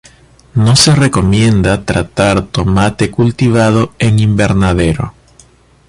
No se recomienda tratar tomate cultivado en invernadero.